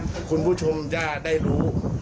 ถ้าคุณผู้ชมจะได้รู้